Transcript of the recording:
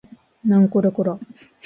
なんこれこら